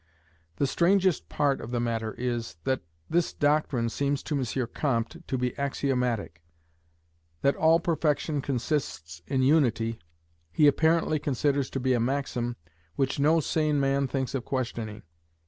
The strangest part of the matter is, that this doctrine seems to M. Comte to be axiomatic. That all perfection consists in unity, he apparently considers to be a maxim which no sane man thinks of questioning.